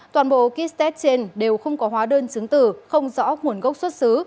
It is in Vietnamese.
toàn bộ kit test trên đều không có hóa đơn chứng tử không rõ nguồn gốc xuất xứ